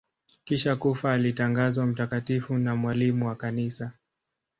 Kisha kufa alitangazwa mtakatifu na mwalimu wa Kanisa.